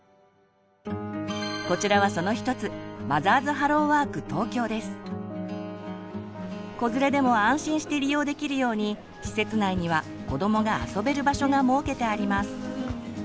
こちらはその一つ子連れでも安心して利用できるように施設内には子どもが遊べる場所が設けてあります。